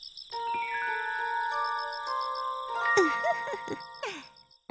ウフフフ。